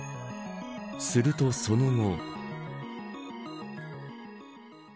すると、その後。